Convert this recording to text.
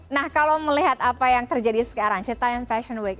nah kalau melihat apa yang terjadi sekarang citae fashion week